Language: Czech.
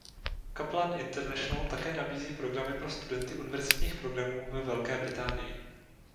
Kaplan International také nabízí programy pro studenty univerzitních programů ve Velké Británii.